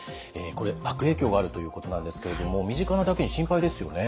これ悪影響があるということなんですけれども身近なだけに心配ですよね。